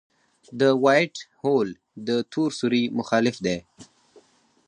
د وائټ هول د تور سوري مخالف دی.